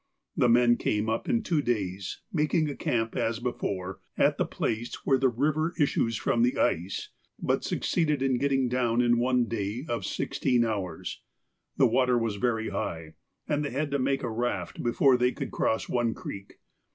The men came up in two days, making a camp as before at the place where the river issues from the ice, but succeeded in getting down in one day of sixteen hours. The water was very high, and they had to make a raft before they could cross one creek.